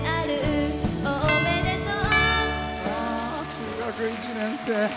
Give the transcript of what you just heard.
中学１年生。